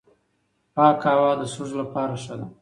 پاکه هوا د سږو لپاره ښه ده.